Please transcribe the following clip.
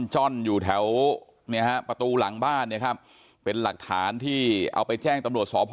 จ้อนอยู่แถวประตูหลังบ้านเป็นหลักฐานที่เอาไปแจ้งตำรวจสพ